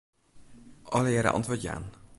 Allegearre antwurd jaan.